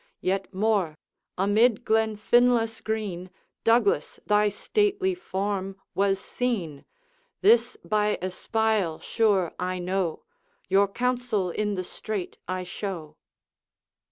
Yet more; amid Glenfinlas' green, Douglas, thy stately form was seen. This by espial sure I know: Your counsel in the streight I show.'